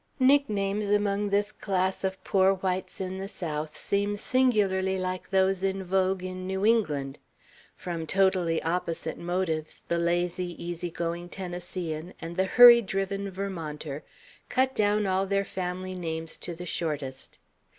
Nicknames among this class of poor whites in the South seem singularly like those in vogue in New England. From totally opposite motives, the lazy, easy going Tennesseean and the hurry driven Vermonter cut down all their family names to the shortest.